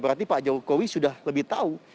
berarti pak jokowi sudah lebih tahu